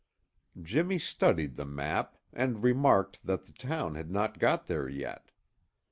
Jimmy studied the map and remarked that the town had not got there yet.